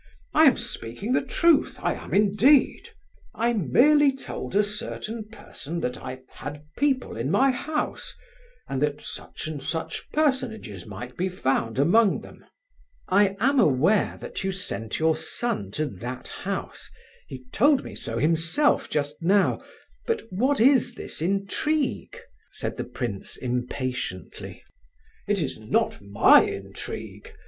I am speaking the truth—I am indeed! I merely told a certain person that I had people in my house, and that such and such personages might be found among them." "I am aware that you sent your son to that house—he told me so himself just now, but what is this intrigue?" said the prince, impatiently. "It is not my intrigue!"